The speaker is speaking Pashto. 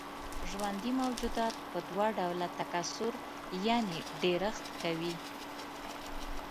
ژوندي موجودات په دوه ډوله تکثر يعنې ډېرښت کوي.